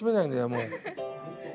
もう。